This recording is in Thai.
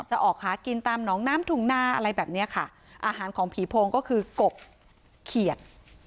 ออกหากินตามหนองน้ำถุงนาอะไรแบบเนี้ยค่ะอาหารของผีโพงก็คือกบเขียด